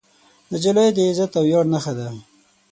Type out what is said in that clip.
نجلۍ د عزت او ویاړ نښه ده.